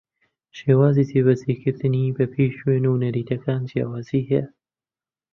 شێوازی جێبەجێکردنی بەپێی شوێن و نەریتەکان جیاوازی ھەیە